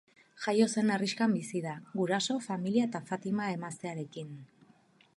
Jaio zen herrixkan bizi da, guraso, familia eta Fatima emaztearekin.